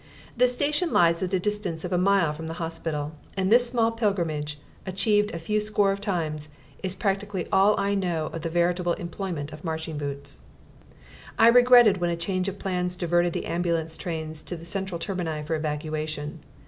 The station lies at a distance of a mile from the hospital, and this small pilgrimage, achieved a few score times, is practically all I know of the veritable employment of marching boots. I regretted when a change of plans diverted the ambulance trains to the central termini for evacuation.